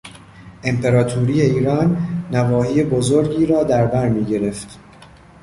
امپراطوری ایران نواحی بزرگی را در بر می گرفت.